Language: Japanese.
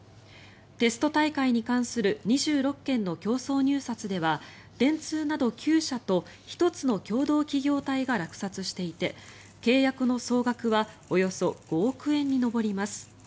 テスト大会に関する２６件の競争入札では電通など９社と１つの共同企業体が落札していて契約の総額はおよそ５億円に上ります。